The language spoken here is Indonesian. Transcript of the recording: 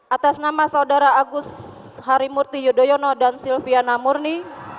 atas nama saudara agus harimurti yudhoyono dan silviana murni